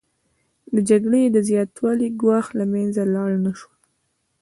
د جګړې د زیاتوالي ګواښ له منځه لاړ نشو